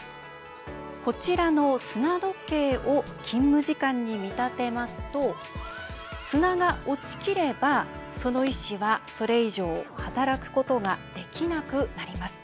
こちらの砂時計を勤務時間に見立てますと砂が落ちきれば、その医師はそれ以上働くことができなくなります。